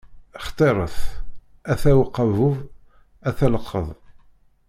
Xtiṛet: a-t-a uqabub, a-t-a llqeḍ!